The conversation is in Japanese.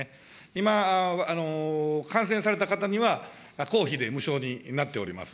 今、感染された方には、公費で無償になっております。